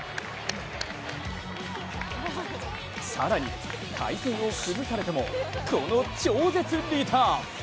更に、体勢を崩されてもこの超絶リターン。